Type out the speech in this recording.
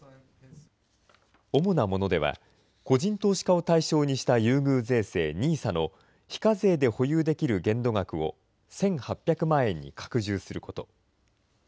主なものでは、個人投資家を対象にした優遇税制ＮＩＳＡの非課税で保有できる限度額を１８００万円に拡充すること。